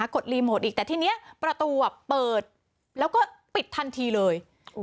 ดรีโมทอีกแต่ทีนี้ประตูเปิดแล้วก็ปิดทันทีเลย